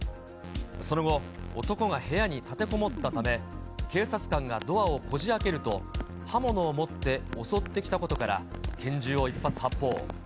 その後、男が部屋に立てこもったため、警察官がドアをこじあけると、刃物を持って襲ってきたことから、拳銃を１発発砲。